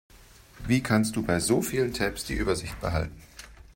Wie kannst du bei so vielen Tabs die Übersicht behalten?